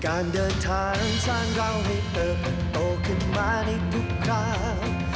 การเดินทางสร้างเราให้เธอมันโตขึ้นมาในทุกครั้ง